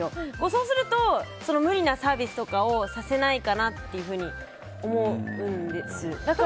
そうすると無理なサービスとかさせないかなって思うんです。